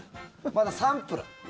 まだサンプル。